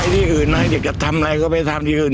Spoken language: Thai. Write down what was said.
ที่อื่นนะอยากจะทำอะไรก็ไปทำที่อื่น